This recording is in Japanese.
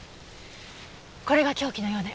これが凶器のようね。